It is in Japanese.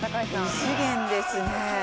異次元ですね。